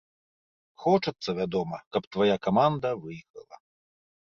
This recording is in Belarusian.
Хочацца, вядома, каб твая каманда выйграла.